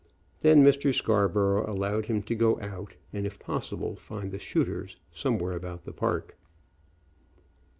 Then Mr. Scarborough allowed him to go out, and if possible find the shooters somewhere about the park.